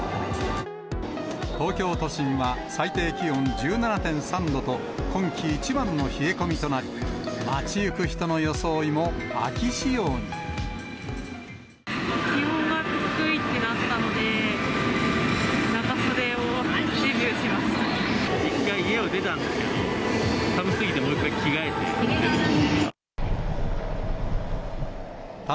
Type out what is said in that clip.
東京都心は最低気温１７．３度と、今季一番の冷え込みとなり、気温が低いってなったので、一回、家を出たんですけど、寒すぎてもう１回着替えて出ました。